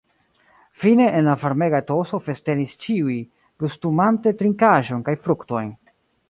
Fine, en la varmega etoso festenis ĉiuj, gustumante trinkaĵon kaj fruktojn.